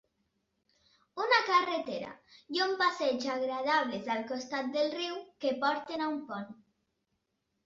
Una carretera y un passeig agradables al costat del riu que porten a un pont.